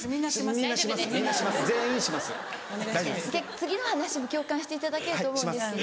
次の話も共感していただけると思うんですけど。